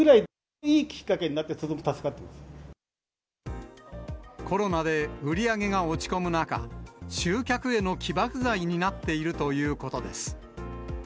いいきっかけになって、すごく助コロナで売り上げが落ち込む中、集客への起爆剤になっているということです。